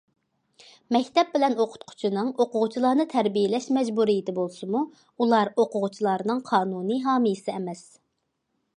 مەكتەپ بىلەن ئوقۇتقۇچىنىڭ ئوقۇغۇچىلارنى تەربىيەلەش مەجبۇرىيىتى بولسىمۇ، ئۇلار ئوقۇغۇچىلارنىڭ قانۇنىي ھامىيسى ئەمەس.